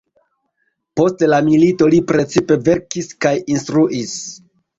Post la milito li precipe verkis kaj instruis.